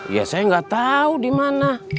ya saya gak tau di mana